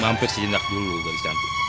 mampir sejenak dulu gadis cantik